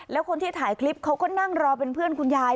แล้วคนที่ถ่ายคลิปเขาก็นั่งรอเป็นเพื่อนคุณยาย